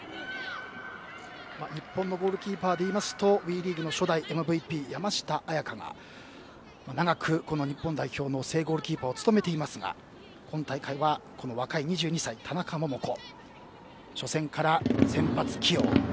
日本のゴールキーパーでいいますとＷＥリーグの初代ＭＶＰ山下杏也加が長く日本代表の正ゴールキーパーを務めていますが今大会は若い２２歳の田中桃子が初戦から先発起用。